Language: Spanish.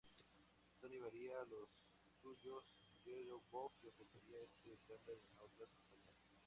Sony llamaría a los suyos Yellow Book y ofrecería este estándar a otras compañías.